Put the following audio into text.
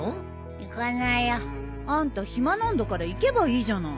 行かないよ。あんた暇なんだから行けばいいじゃない。